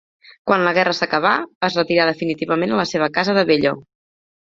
Quan la guerra s'acabà, es retirà definitivament a la seva casa de Bello.